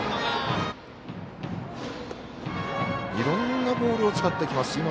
いろんなボールを使ってきます。